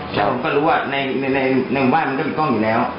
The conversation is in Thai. ผมรู้ว่าในหมู่บ้านมันก็มีกล้องอยู่แล้ว